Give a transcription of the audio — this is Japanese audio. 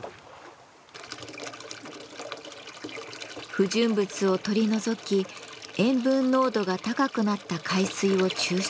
不純物を取り除き塩分濃度が高くなった海水を抽出します。